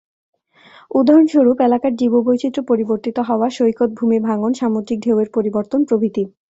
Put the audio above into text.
উদাহরণস্বরূপ, এলাকার জীববৈচিত্র্য পরিবর্তিত হওয়া, সৈকত ভূমি ভাঙন, সামুদ্রিক ঢেউয়ের পরিবর্তন প্রভৃতি।